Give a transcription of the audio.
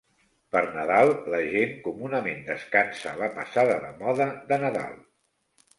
Per Nadal la gent comunament descansa la passada de moda de Nadal.